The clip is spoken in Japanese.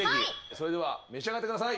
それでは召し上がってください。